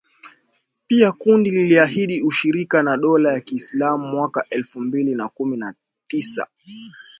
Pia kundi liliahidi ushirika na Dola ya kiislamu mwaka elfu mbili na kumi na tisa.